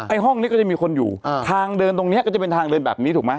ห้องนี้ก็จะมีคนอยู่อ่าทางเดินตรงเนี้ยก็จะเป็นทางเดินแบบนี้ถูกไหม